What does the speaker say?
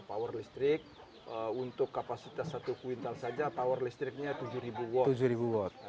power listrik untuk kapasitas satu kuintal saja power listriknya tujuh ribu watt